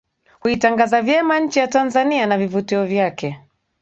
huitangaza vyema nchi ya Tanzania na vivutio vyake